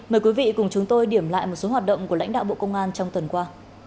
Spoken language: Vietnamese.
mời quý vị cùng chúng tôi điểm lại một số hoạt động của lãnh đạo bộ công an trong tuần qua